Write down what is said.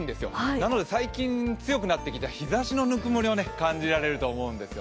なので最近強くなってきた日ざしのぬくもりを感じられると思います。